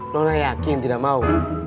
nona yakin tidak mau